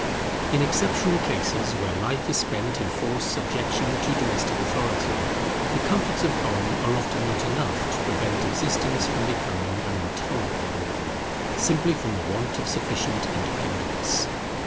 In exceptional cases where life is spent in forced subjection to domestic authority, the comforts of home are often not enough to prevent existence from becoming an intolerable burden, simply from the want of sufficient independence.